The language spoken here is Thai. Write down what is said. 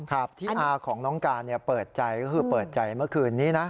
ครับที่อาของน้องการเปิดใจก็คือเปิดใจเมื่อคืนนี้นะ